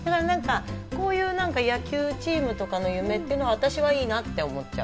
こういう野球チームとかの夢っていうのは私はいいなって思っちゃう。